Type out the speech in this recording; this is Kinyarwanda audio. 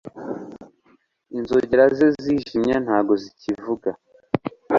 Inzogera ze zijimye ntago zikivuga